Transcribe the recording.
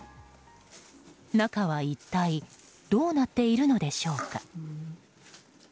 中は一体どうなっているのでしょうか？